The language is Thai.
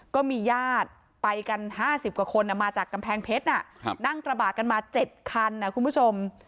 ก็มีญาติไปกัน๕๐กว่าคนมาจากกำแพงเพชรนั่งกระบะกันมา๗คันนะคุณผู้ชม